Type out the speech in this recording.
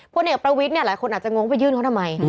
พลเอกประวิทย์เนี่ยหลายคนอาจจะงงว่าไปยื่นเขาทำไม